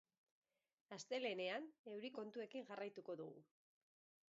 Astelehenean, euri kontuekin jarraituko dugu.